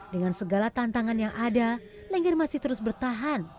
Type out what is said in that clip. dengan segala tantangan yang ada lengger masih terus bertahan